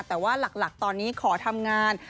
แต่ว่าหลักตอนนี้ขอทำงาน